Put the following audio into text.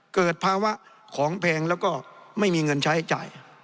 เกิดภาวะของแพงแล้วก็ไม่มีเงินใช้จ่าย